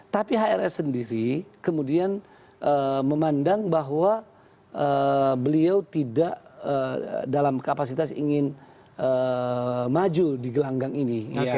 tapi hrs sendiri kemudian memandang bahwa beliau tidak dalam kapasitas ingin maju di gelanggang ini